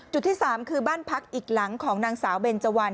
ที่๓คือบ้านพักอีกหลังของนางสาวเบนเจวัน